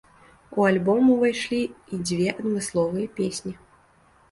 У альбом ўвайшлі і дзве адмысловыя песні.